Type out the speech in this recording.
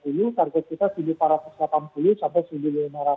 target kita tujuh ribu empat ratus delapan puluh sampai seribu lima ratus enam puluh